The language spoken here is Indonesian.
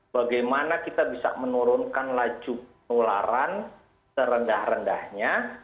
bagaimana kita bisa menurunkan laju penularan serendah rendahnya